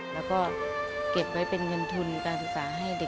แล้วก็เก็บไว้เป็นเงินทุนการศึกษาให้เด็ก